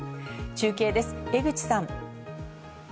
中継です、江口さん。